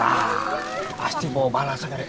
tak pasti bawa balas dari orang